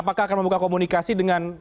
apakah akan membuka komunikasi dengan